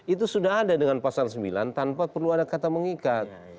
itu sudah ada dengan pasal sembilan tanpa perlu ada kata mengikat